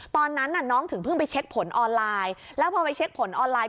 ตอนนั้นน่ะน้องถึงเพิ่งไปเช็คผลออนไลน์แล้วพอไปเช็คผลออนไลน